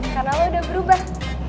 karena lo udah berubah